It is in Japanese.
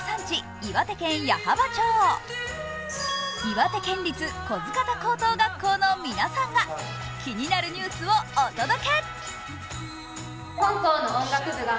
岩手県立不来方高等学校の皆さんが、気になるニュースをお届け。